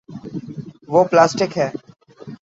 وہ پلاسٹک ہے۔